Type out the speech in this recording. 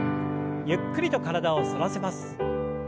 ゆっくりと体を反らせます。